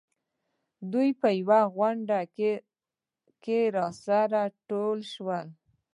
دوی په يوه غونډه کې سره راټول شول.